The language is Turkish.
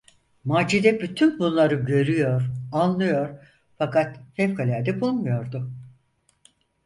Macide bütün bunları görüyor, anlıyor fakat fevkalade bulmuyordu.